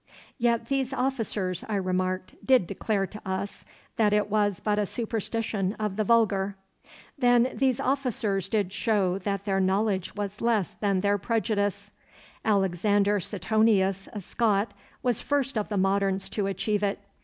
'Yet these officers,' I remarked, 'did declare to us that it was but a superstition of the vulgar.' 'Then these officers did show that their knowledge was less than their prejudice. Alexander Setonius, a Scot, was first of the moderns to achieve it.